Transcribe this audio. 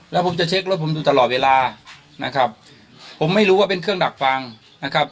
แล้วผมจะเช็ครถผมดูตลอดเวลานะครับผมไม่รู้ว่าเป็นเครื่องดักฟังนะครับ